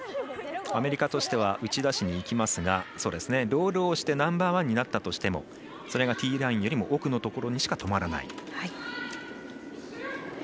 アメリカとしては打ち出しにいきますがロールをしてナンバーワンになったとしてもそれがティーラインよりも奥のところにしか止まらない。